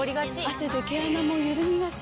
汗で毛穴もゆるみがち。